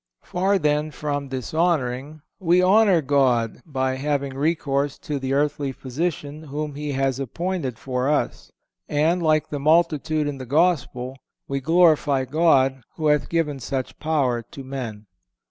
Far, then, from dishonoring, we honor God by having recourse to the earthly physician whom He has appointed for us, and, like the multitude in the Gospel, we "glorify God, who hath given such power to men."